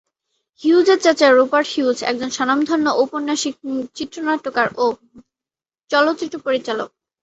হিউজের চাচা Rupert Hughes একজন স্বনামধন্য ঔপন্যাসিক, চিত্রনাট্যকার ও চলচ্চিত্র পরিচালক।